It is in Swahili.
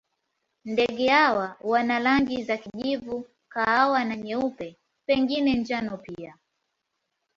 Ndege hawa wana rangi za kijivu, kahawa na nyeupe, pengine njano pia.